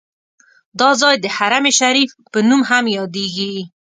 دا ځای د حرم شریف په نوم هم یادیږي.